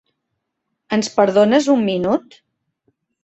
Ens perdones un minut?